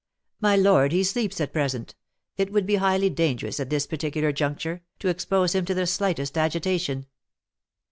"My lord, he sleeps at present; it would be highly dangerous, at this particular juncture, to expose him to the slightest agitation."